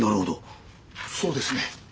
そうですね。